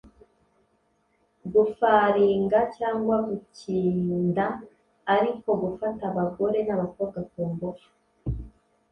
gufaringa" cyangwa "gukinda" ari ko gufata abagore n'abakobwa ku ngufu